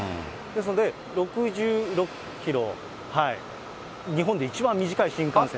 ですので、６６キロ、日本で一番短い新幹線。